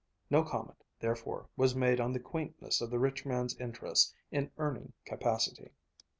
No comment, therefore, was made on the quaintness of the rich man's interest in earning capacity.